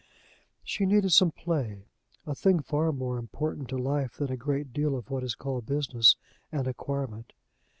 She needed some play a thing far more important to life than a great deal of what is called business and acquirement.